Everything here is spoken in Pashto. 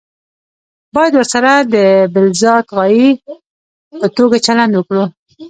باید ورسره د بالذات غایې په توګه چلند وکړو.